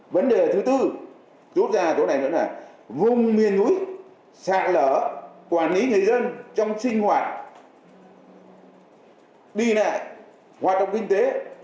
vấn đề thứ tư rút ra chỗ này nữa là vùng miền núi sạt lở quản lý người dân trong sinh hoạt đi lại hoạt động kinh tế